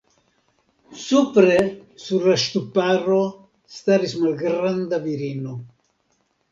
Supre sur la ŝtuparo staris malgranda virino.